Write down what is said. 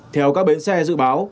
theo các bến xe dự báo